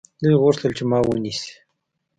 دوی غوښتل چې ما ونیسي.